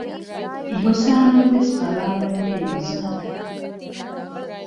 އިޙުސާނަށް ވެސް ބަލާލެވުނީ ނުޒުހަތަށް